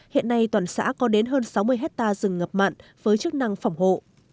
hiện nay toàn xã có đến hơn sáu mươi hectare rừng ngập mặn với chức năng phòng hộ